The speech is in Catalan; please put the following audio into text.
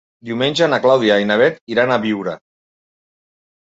Diumenge na Clàudia i na Bet iran a Biure.